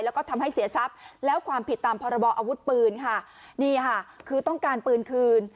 แล้วก็ทำให้เสียทรัพย์แล้วความผิดตามพรบออาวุธปืนค่ะนี่ค่ะคือต้องการปืนคืน